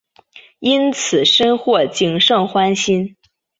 因此深获景胜欢心。